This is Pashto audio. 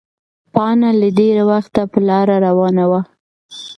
پاڼه له ډېره وخته په لاره روانه وه.